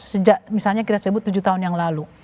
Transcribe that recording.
sejak misalnya kita sebut tujuh tahun yang lalu